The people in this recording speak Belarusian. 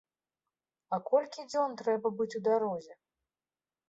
А колькі дзён трэба быць у дарозе?